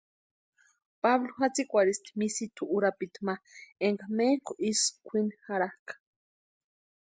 Pablu jatsïkwarhisti misitu urapiti ma énka ménku isï kwʼini jarhakʼa.